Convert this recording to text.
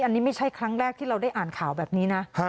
อันนี้ไม่ใช่ครั้งแรกที่เราได้อ่านข่าวแบบนี้นะ